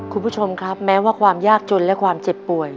คุณผู้ชมครับแม้ว่าความยากจนและความเจ็บป่วย